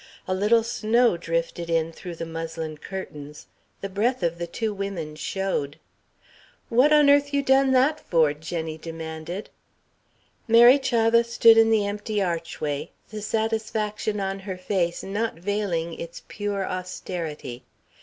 A little snow drifted in through the muslin curtains. The breath of the two women showed. "What on earth you done that for?" Jenny demanded. Mary Chavah stood in the empty archway, the satisfaction on her face not veiling its pure austerity.